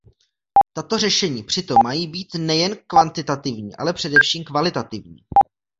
Tato řešení přitom mají být nejen kvantitativní, ale především kvalitativní.